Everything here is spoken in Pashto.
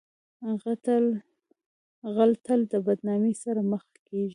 غل تل د بدنامۍ سره مخ کیږي